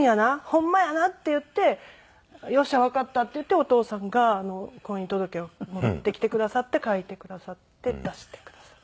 ほんまやな？」って言って「よっしゃわかった」って言ってお義父さんが婚姻届を持ってきてくださって書いてくださって出してくださった。